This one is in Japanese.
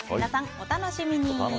お楽しみに。